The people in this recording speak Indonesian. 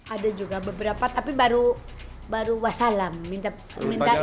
ada juga beberapa tapi baru wasalam minta